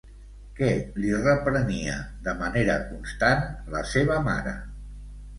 Què li reprenia, de manera constant, la seva mare?